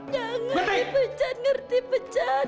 jangan dipecat ngerti pecat